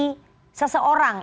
untuk melindungi seseorang